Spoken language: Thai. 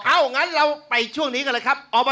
เอางั้นเราไปช่วงนี้กันเลยครับ